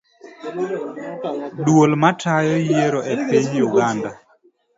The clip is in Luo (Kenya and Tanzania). Duol matayo yiero epiny uganda